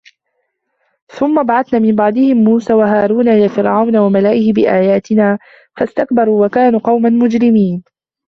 ثُمَّ بَعَثْنَا مِنْ بَعْدِهِمْ مُوسَى وَهَارُونَ إِلَى فِرْعَوْنَ وَمَلَئِهِ بِآيَاتِنَا فَاسْتَكْبَرُوا وَكَانُوا قَوْمًا مُجْرِمِينَ